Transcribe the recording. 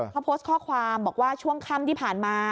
เขาโพสต์ข้อความบอกว่าช่วงค่ำที่ผ่านมา